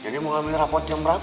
jadi mau ambil rapot jam berapa